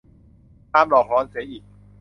ตามหลอกหลอนเสียอีก